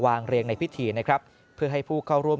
เรียงในพิธีนะครับเพื่อให้ผู้เข้าร่วม